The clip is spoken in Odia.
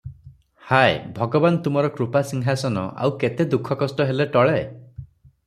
ହାୟ! ଭଗବାନ୍ ତୁମର କୃପାସିଂହାସନ ଆଉ କେତେ ଦୁଃଖ କଷ୍ଟ ହେଲେ ଟଳେ?